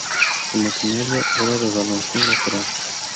Su maquinaria era de balancín lateral.